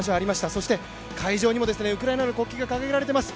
そして会場にもウクライナの国旗が掲げられています。